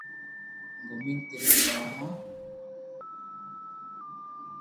گومين تيرٿ ڪرو ھون